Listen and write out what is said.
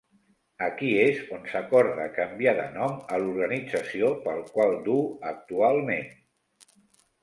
Aquí és on s'acorda canviar de nom a l'organització pel qual duu actualment.